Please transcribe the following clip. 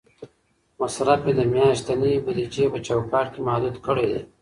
مصرف مې د میاشتنۍ بودیجې په چوکاټ کې محدود کړی دی.